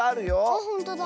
あっほんとだ。